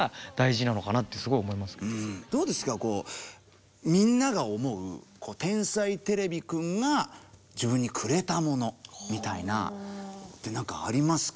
こうみんなが思う「天才てれびくん」が自分にくれたものみたいなって何かありますか？